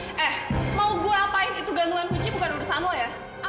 eh mau gue apain itu gantungan kunci bukan urusanmu ya